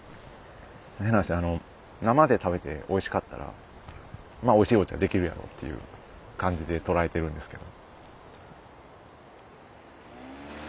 変な話生で食べておいしかったらおいしいお茶出来るやろうっていう感じでとらえてるんですけど。